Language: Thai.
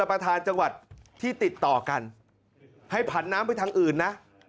ไปไหนท่าน